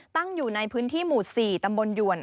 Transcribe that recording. ตั้งอยู่ในพื้นที่หมู่๔ตำบลหยวน